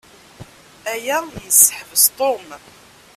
Aya yesseḥbes Tom.